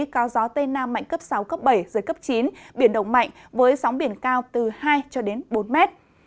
cao gió tây nam mạnh cấp sáu cấp bảy giới cấp chín biển đông mạnh với sóng biển cao từ hai cho đến bốn mét